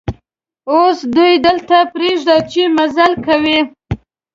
اوس دوی دلته پرېږده چې مزل کوي.